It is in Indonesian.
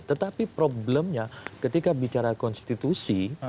tetapi problemnya ketika bicara konstitusi